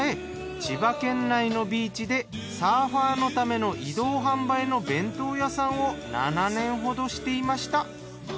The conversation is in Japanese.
千葉県内のビーチでサーファーのための移動販売の弁当屋さんを７年ほどしていました。